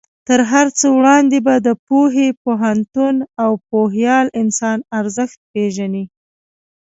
تر هر څه وړاندې به د پوهې، پوهنتون او پوهیال انسان ارزښت پېژنې.